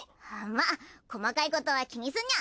まあ細かいことは気にすんにゃ！